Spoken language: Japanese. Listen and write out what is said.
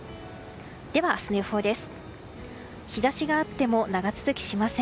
では、明日の予報です。